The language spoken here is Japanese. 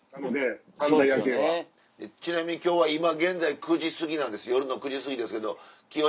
ちなみに今日は今現在９時すぎ夜の９時すぎですけどキヨ